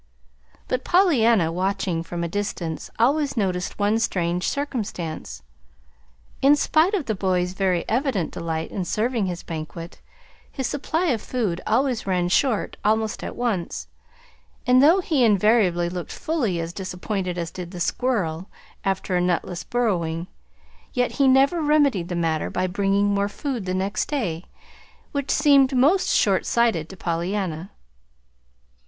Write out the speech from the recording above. But Pollyanna, watching from a distance, always noticed one strange circumstance: in spite of the boy's very evident delight in serving his banquet, his supply of food always ran short almost at once; and though he invariably looked fully as disappointed as did the squirrel after a nutless burrowing, yet he never remedied the matter by bringing more food the next day which seemed most short sighted to Pollyanna.